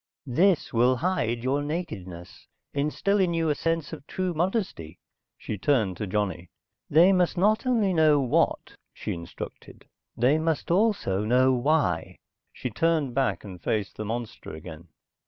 "This will hide your nakedness, instill in you a sense of true modesty." She turned to Johnny. "They must not only know what," she instructed. "They must also know why." She turned back and faced the monster again.